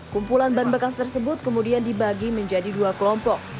kumpulan ban bekas tersebut kemudian dibagi menjadi dua kelompok